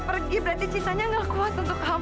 mila mila jangan dekat